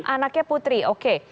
anaknya putri oke